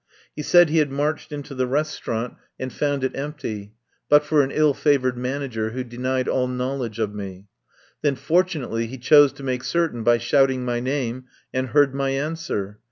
He said he had marched into the restaurant i 5 6 RESTAURANT IN ANTIOCH STREET and found it empty, but for an ill favoured manager, who denied all knowledge of me. Then fortunately he chose to make certain by shouting my name, and heard my answer.